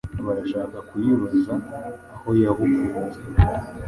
Barashaka Kuyibaza Aho Yabukuye